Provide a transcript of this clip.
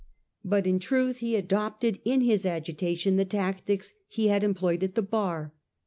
But in truth he adopted in his agitation the tactics he had employed at the bar.